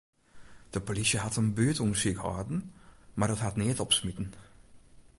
De polysje hat in buertûndersyk hâlden, mar dat hat neat opsmiten.